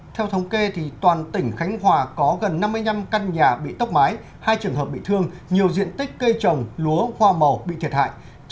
theo thống kê toàn tỉnh khánh hòa có gần năm mươi năm căn nhà bị tốc mái hai trường hợp bị thương nhiều diện tích cây trồng lúa hoa màu bị thiệt hại